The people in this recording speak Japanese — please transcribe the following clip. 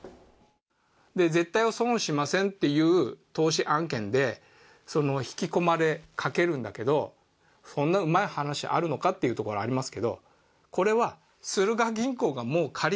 絶対損しませんという投資案件で引き込まれかけるんだけれども、そんなうまい話あるのかというところがありますけど。